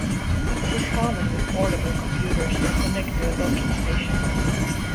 This is common with portable computers that connect to a docking station.